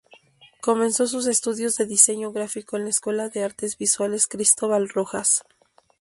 Comenzó sus estudios de Diseño gráfico en la Escuela de Artes Visuales Cristóbal Rojas.